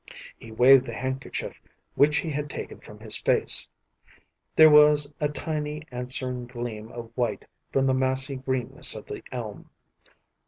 He waved the handkerchief which he had taken from his face. There was a tiny answering gleam of white from the massy greenness of the elm.